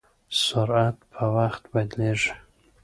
سرعت په وخت بدلېږي.